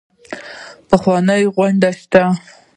پخوانۍ غونډۍ شته ده.